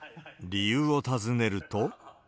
理由を尋ねると。